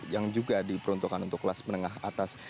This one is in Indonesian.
yang juga diperuntukkan untuk kelas menengah atas